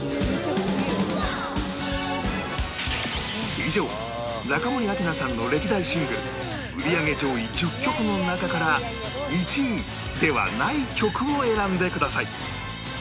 以上中森明菜さんの歴代シングル売り上げ上位１０曲の中から１位ではない曲を選んでください